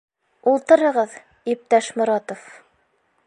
Ултырығыҙ, иптәш Моратов.